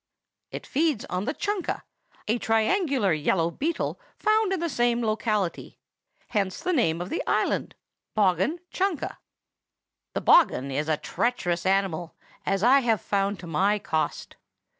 It feeds on the chunka, a triangular yellow beetle found in the same locality; hence the name of the island, Bogghun Chunka. "She caressed the bogghun." "The bogghun is a treacherous animal, as I have found to my cost.